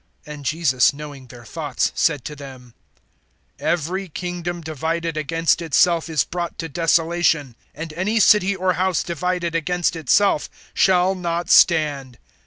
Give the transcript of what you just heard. (25)And Jesus, knowing their thoughts, said to them: Every kingdom divided against itself is brought to desolation; and any city or house divided against itself shall not stand.